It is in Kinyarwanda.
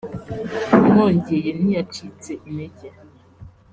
Mwongeye ntiyacitse intege